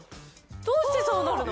どうしてそうなるの？